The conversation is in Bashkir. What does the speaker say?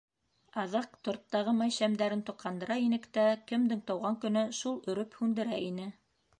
Аҙаҡ торттағы май шәмдәрен тоҡандыра инек тә, кемдең тыуған көнө, шул өрөп һүндерә ине.